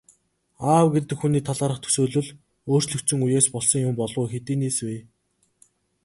Аав гэдэг хүний талаарх төсөөлөл өөрчлөгдсөн үеэс болсон юм болов уу, хэдийнээс вэ?